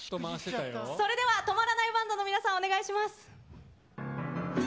それでは止まらないバンドの皆さん、お願いします。